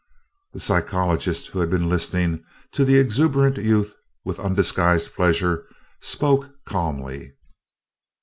The psychologist, who had been listening to the exuberant youth with undisguised pleasure, spoke calmly.